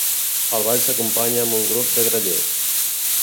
El ball s'acompanya amb un grup de grallers.